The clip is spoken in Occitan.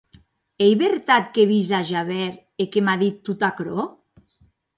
Ei vertat qu’è vist a Javert e que m’a dit tot aquerò?